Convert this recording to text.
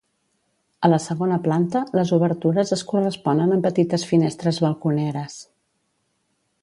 A la segona planta, les obertures es corresponen amb petites finestres balconeres.